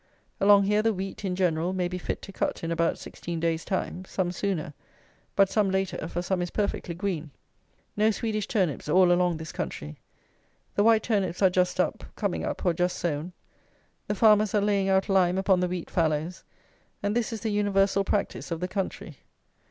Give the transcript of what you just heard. Along here the wheat, in general, may be fit to cut in about 16 days' time; some sooner; but some later, for some is perfectly green. No Swedish turnips all along this country. The white turnips are just up, coming up, or just sown. The farmers are laying out lime upon the wheat fallows, and this is the universal practice of the country.